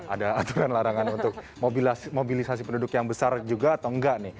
ada aturan larangan untuk mobilisasi penduduk yang besar juga atau enggak nih